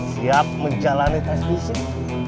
siap menjalani tes fisik